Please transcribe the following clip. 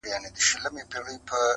هم خوشال یې مور او پلار وه هم یې وړونه-